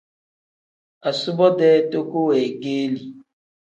Asubo-dee toko weegeeli.